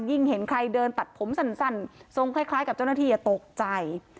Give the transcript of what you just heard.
เห็นใครเดินตัดผมสั้นทรงคล้ายกับเจ้าหน้าที่อย่าตกใจ